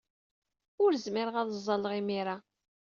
Ur zmireɣ ad ẓẓalleɣ imir-a.